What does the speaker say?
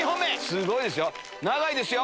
すごいですよ長いですよ！